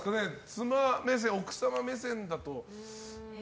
妻目線、奥様目線だと。